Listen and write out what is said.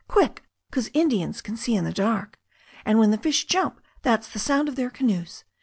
Quick f 'Cause Indians can see in the dark. And when the fish jump that's the sound of their canoes.